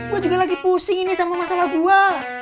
gue juga lagi pusing ini sama masalah buah